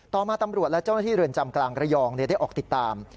ต่อมาตำรวจและเจ้าหน้าที่เรือนจำกลางระยองได้ออกติดตาม